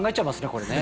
これね。